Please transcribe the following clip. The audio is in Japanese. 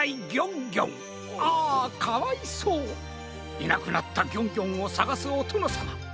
いなくなったギョンギョンをさがすおとのさま。